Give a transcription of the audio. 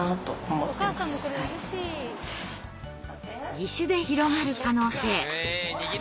義手で広がる可能性。